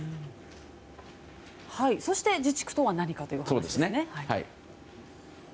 そして自治区とは何かということですね。